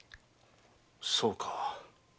そうか。